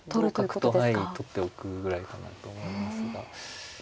同角と取っておくぐらいかなと思いますが。